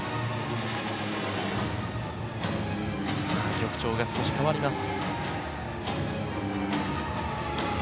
曲調が少し変わります。